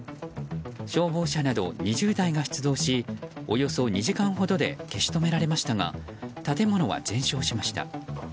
消防車など２０台が出動しおよそ２時間ほどで消し止められましたが建物は全焼しました。